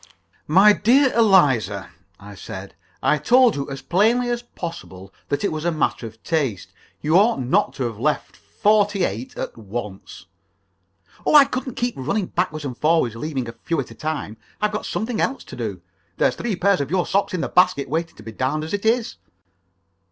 "My dear Eliza," I said, "I told you as plainly as possible that it was a matter of taste. You ought not to have left forty eight at once." "Oh, I couldn't keep running backwards and forwards leaving a few at a time. I've got something else to do. There's three pair of your socks in the basket waiting to be darned, as it is."